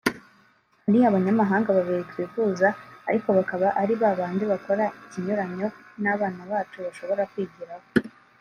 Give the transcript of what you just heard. Hari abanyamahanga babiri twifuza ariko bakaba ari ba bandi bakora ikinyuranyo n’abana bacu bashobora kwigiraho